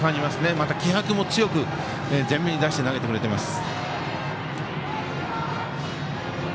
また、気迫も強く前面に出して投げてくれています。